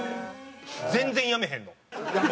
全然辞めへんの。